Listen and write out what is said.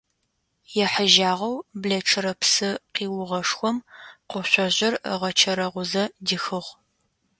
Ехьыжьагъэу блэчъырэ псы къиугъэшхом къошъожъыр ыгъэчэрэгъузэ дихыгъ.